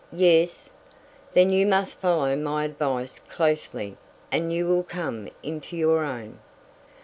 "Yes." "Then you must follow my advice closely and you will come into your own.